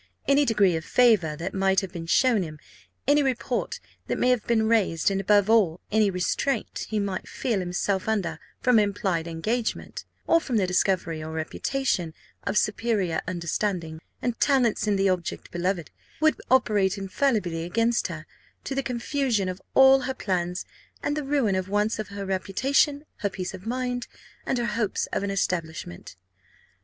Any degree of favour that might have been shown him, any report that may have been raised, and above all, any restraint he might feel himself under from implied engagement, or from the discovery or reputation of superior understanding and talents in the object beloved, would operate infallibly against her, to the confusion of all her plans, and the ruin at once of her reputation, her peace of mind, and her hopes of an establishment.